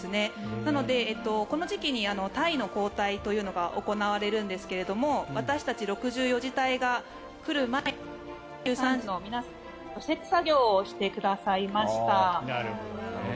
なので、この時期に隊の交代というのが行われるんですが私たち６４次隊が来る前に６３次の皆さんが除雪作業をしてくださいました。